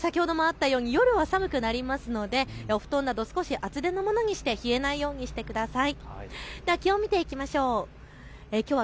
皆さん先ほどもあったように夜は寒くなりますのでお布団など少し厚手のものにして冷えないようにしてください。